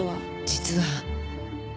実は。